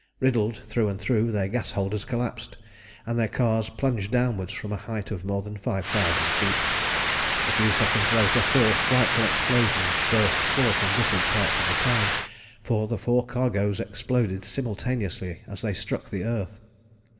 Riddled through and through, their gas holders collapsed, and their cars plunged downwards from a height of more than 5000 feet. A few seconds later four frightful explosions burst forth in different parts of the town, for the four cargoes exploded simultaneously as they struck the earth.